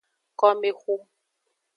Komexu.